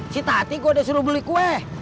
si tati gue udah suruh beli kue